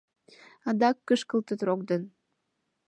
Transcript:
Адак кышкылтыт рок ден.